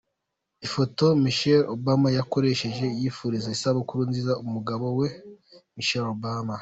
Ifoto Michelle Obama yakoresheje yifuriza isabukuru nziza umugabo we, Michelle Obama.